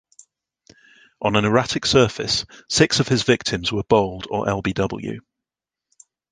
On an erratic surface, six of his victims were bowled or lbw.